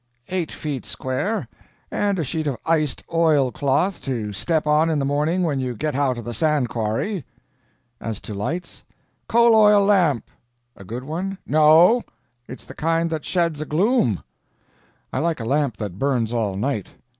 "Eight feet square; and a sheet of iced oil cloth to step on in the morning when you get out of the sand quarry." "As to lights?" "Coal oil lamp." "A good one?" "No. It's the kind that sheds a gloom." "I like a lamp that burns all night."